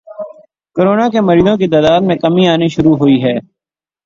corona کے مریضوں کی تعداد میں کمی آنی شروع ہو گئی ہے